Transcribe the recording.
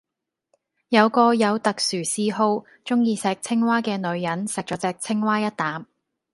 有個有特殊嗜好,中意錫青蛙噶女人錫左隻青蛙一淡